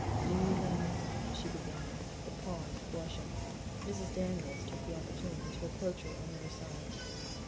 "Do you then" she began, but paused blushing. Mrs. Daniels took the opportunity to approach her on the other side.